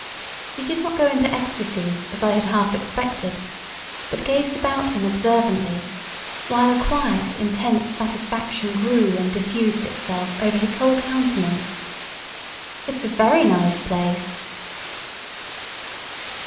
He did not go into ecstasies, as I had half expected; but gazed about him observantly, while a quiet, intense satisfaction grew and diffused itself over his whole countenance. "It's a VERY nice place."